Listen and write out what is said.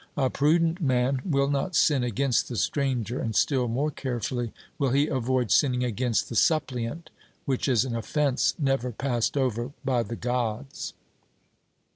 A prudent man will not sin against the stranger; and still more carefully will he avoid sinning against the suppliant, which is an offence never passed over by the Gods.